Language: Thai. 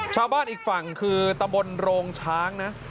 ชาวบ้านอีกฝั่งคือตะบนโรงช้างนะ